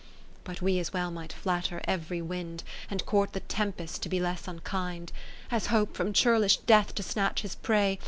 But we as well might flatter every wind, And court the tempests to be less unkind. As hope from churlish Death to snatch his prey.